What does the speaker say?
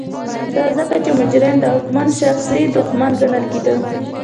دا ځکه چې مجرم د واکمن شخصي دښمن ګڼل کېده.